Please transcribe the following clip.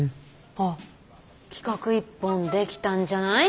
あっ企画１本できたんじゃない？